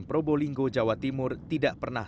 probolinggo jawa timur tidak pernah